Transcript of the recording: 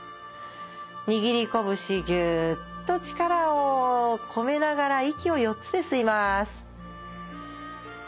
握り拳ぎゅっと力をこめながら息を４つで吸います。